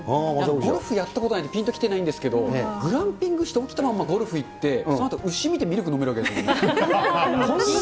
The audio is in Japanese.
ゴルフやったことないんで、ぴんと来てないんですけど、グランピングして、起きたらゴルフ行って、そのあと牛見てミルク飲めるわけですもんね。